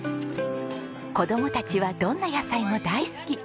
子供たちはどんな野菜も大好き！